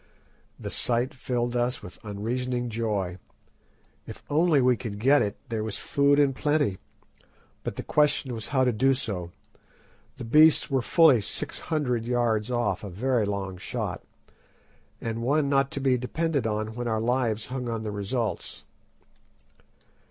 The sight filled us with an unreasoning joy. If only we could get it, there was food in plenty. But the question was how to do so. The beasts were fully six hundred yards off, a very long shot, and one not to be depended on when our lives hung on the results.